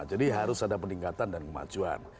jadi harus ada peningkatan dan kemajuan